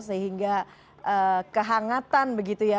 sehingga kehangatan begitu ya